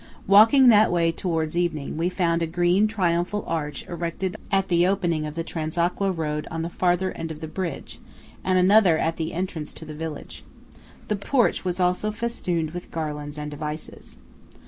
Walking that way towards evening, we found a green triumphal arch erected at the opening of the Transacqua road on the farther end of the bridge, and another at the entrance to the village. The porch was also festooned with garlands and devices.